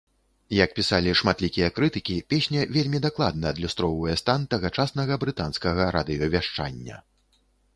Як пісалі шматлікія крытыкі, песня вельмі дакладна адлюстроўвае стан тагачаснага брытанскага радыёвяшчання.